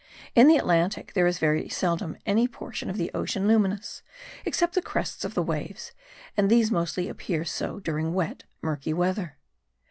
In the Atlantic, there is very seldom any portion of the ocean luminous, except the crests of the waves ; and these mostly appear so during wet, murky weather.